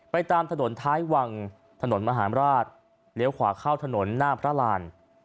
ตามถนนท้ายวังถนนมหาราชเลี้ยวขวาเข้าถนนหน้าพระราน